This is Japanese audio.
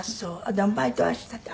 でもバイトはしてた？